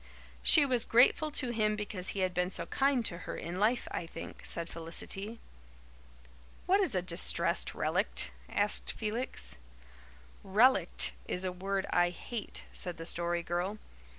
"She was grateful to him because he had been so kind to her in life, I think," said Felicity. "What is a 'distressed relict'?" asked Felix. "'Relict' is a word I hate," said the Story Girl.